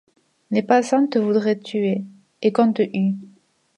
Les passants te voudraient tuer, et qu'on te hue